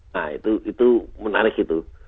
nah itu menarik itu